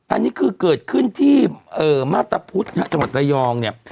อันนี้คือเกิดขึ้นที่มาตรพุทธจังหวัดระยองเนี่ย